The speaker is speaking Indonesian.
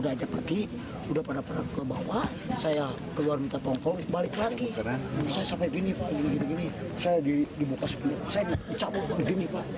saya dibuka sepenuhnya saya dicapu gini pak